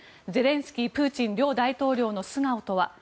ゼレンスキー、プーチン両大統領の素顔とは？